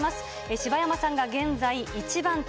柴山さんが現在１番手。